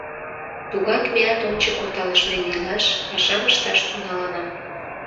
Тугак меат ончыко талышнен илаш, пашам ышташ тӱҥалына!